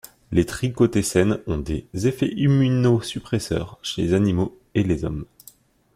Les trichothécènes ont des effets immunosuppresseurs chez les animaux et les hommes.